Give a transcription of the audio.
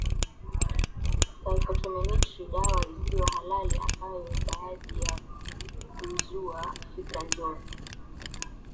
saikotomimetri dawa isiyo halali ambayo baadhi ya huzua fikranjozi